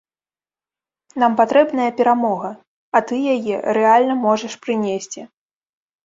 Нам патрэбная перамога, а ты яе рэальна можаш прынесці.